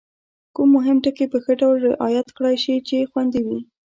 کوم مهم ټکي په ښه ډول رعایت کړای شي چې خوندي وي؟